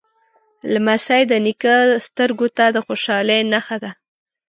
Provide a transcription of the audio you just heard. لمسی د نیکه سترګو ته د خوشحالۍ نښه ده.